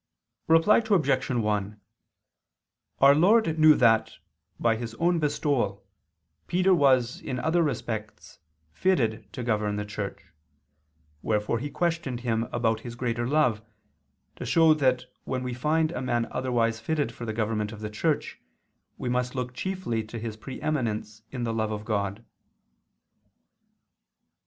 Reply Obj. 1: Our Lord knew that, by His own bestowal, Peter was in other respects fitted to govern the Church: wherefore He questioned him about his greater love, to show that when we find a man otherwise fitted for the government of the Church, we must look chiefly to his pre eminence in the love of God.